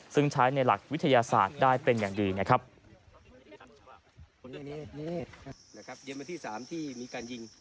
ซึ่งใช้ในหลักวิทยาศาสตร์ได้เป็นอย่างดีนะครับ